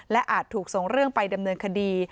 อาจถูกส่งเรื่องไปดำเนินคดี